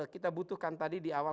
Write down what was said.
kita butuhkan tadi di awal